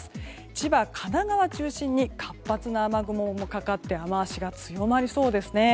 千葉や神奈川を中心に活発な雨雲もかかって雨脚が強まりそうですね。